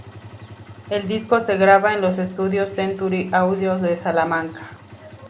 El disco se graba en los Estudios Century Audio de Salamanca.